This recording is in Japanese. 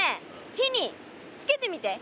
火につけてみて。